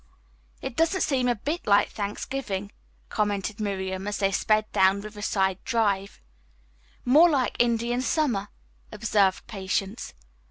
"It doesn't seem a bit like Thanksgiving," commented Miriam, as they sped down Riverside Drive. "More like Indian summer," observed Patience.